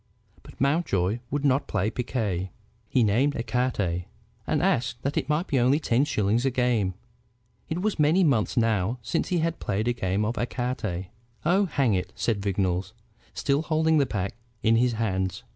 But Mountjoy would not play piquet. He named ecarte, and asked that it might be only ten shillings a game. It was many months now since he had played a game of ecarte. "Oh, hang it!" said Vignolles, still holding the pack in his hands.